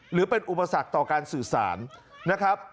หรือเป็นอุปสรรคต่อการสื่อสารนะครับ